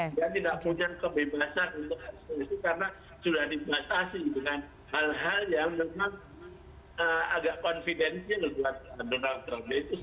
dia tidak punya kebebasan untuk ekspresi karena sudah dibatasi dengan hal hal yang memang agak confidensial buat donald trump